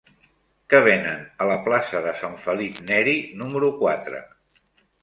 Què venen a la plaça de Sant Felip Neri número quatre?